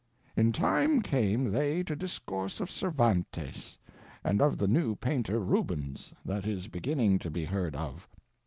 In time came they to discourse of Cervantes, and of the new painter, Rubens, that is beginning to be heard of.